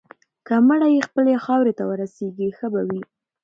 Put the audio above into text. که مړی یې خپلې خاورې ته ورسیږي، ښه به وي.